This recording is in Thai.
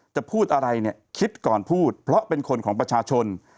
จะพูดอะไรเนี่ยคิดก่อนพูดเพราะเป็นคนของประชาชน